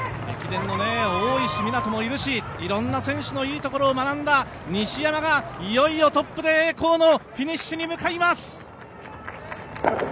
駅伝の大石港与もいるしいろんな選手のいいところを学んだ西山がいよいよトップで栄光のフィニッシュに向かいます。